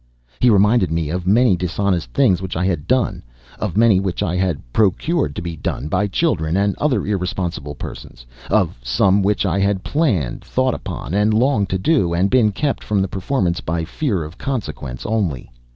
He reminded me of many dishonest things which I had done; of many which I had procured to be done by children and other irresponsible persons; of some which I had planned, thought upon, and longed to do, and been kept from the performance by fear of consequences only.